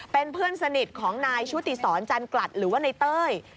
เป็นเพื่อนสนิทของนายชุติศรจันกลัดหรือว่าในเต้ย